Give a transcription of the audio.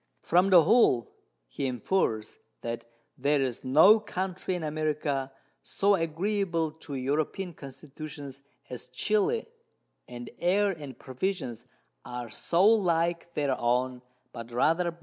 From the whole he infers, that there is no Country in America so agreeable to European Constitutions as Chili, and Air and Provisions are so like their own, but rather better.